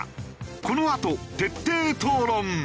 このあと徹底討論。